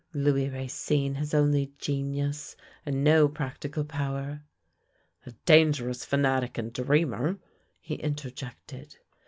Louis Racine has only genius, and no practical power "" A dangerous fanatic and dreamer," he interjected.